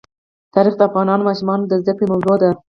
تاریخ د افغان ماشومانو د زده کړې موضوع ده.